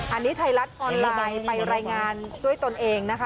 อันนี้ไทยรัฐออนไลน์ไปรายงานด้วยตนเองนะคะ